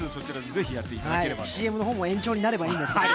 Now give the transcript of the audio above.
ＣＭの方も延長になればいいんですけどね。